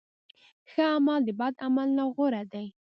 ښه عمل د بد عمل نه غوره دی.